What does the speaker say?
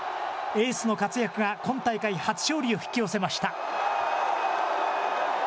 エースの活躍が今大会初勝利を引き寄せました。